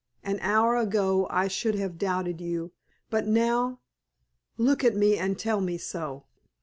An hour ago I should have doubted you. But now look at me and tell me so."